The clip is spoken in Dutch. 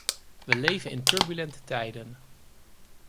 We leven in turbulente tijden.